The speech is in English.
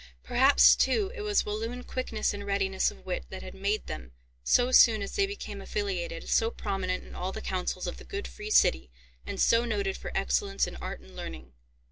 Perhaps, too, it was Walloon quickness and readiness of wit that had made them, so soon as they became affiliated, so prominent in all the councils of the good free city, and so noted for excellence in art and learning.